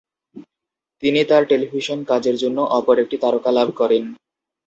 তিনি তার টেলিভিশন কাজের জন্য অপর একটি তারকা লাভ করেন।